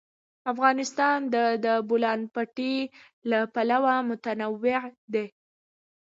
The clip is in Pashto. افغانستان د د بولان پټي له پلوه متنوع دی.